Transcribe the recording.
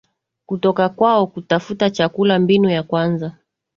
kutoka kwao Kutafuta chakula Mbinu ya kwanza